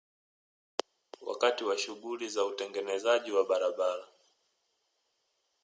Wakati wa shughuli za utengenezaji wa barabara